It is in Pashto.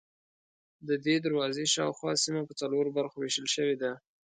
ددې دروازې شاوخوا سیمه په څلورو برخو وېشل شوې ده.